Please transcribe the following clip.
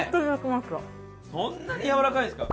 そんなにやわらかいんですか？